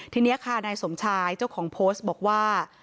ทีนี้ค่ะนายสมชายเจ้าของโพสต์บอกว่า